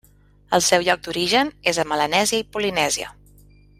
El seu lloc d'origen és a Melanèsia i Polinèsia.